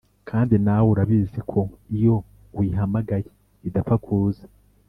kandi nawe urabizi ko iyo uyihamagaye idapfa kuza!